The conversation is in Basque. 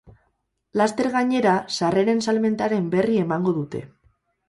Laster gainera, sarreren salmentaren berri emango dute.